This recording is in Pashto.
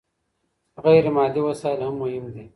غير مادي وسايل هم مهم دي.